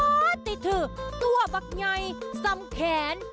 ป๊อตติถือตัวบักไยสำแขน